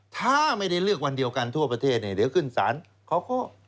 ถ้าไม่ได้เลือกวันเดียวกันทั่วประเทศเนี่ยเดี๋ยวขึ้นศาลเขาก็